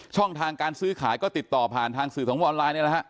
ช่องทางการซื้อขายก็ติดต่อผ่านทางสื่อของออนไลน์นี่แหละฮะ